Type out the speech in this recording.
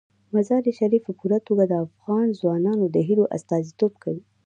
مزارشریف په پوره توګه د افغان ځوانانو د هیلو استازیتوب کوي.